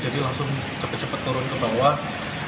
jadi langsung cepat cepat turun ke bawah